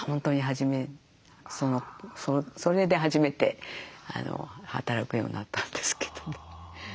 それで初めて働くようになったんですけどね。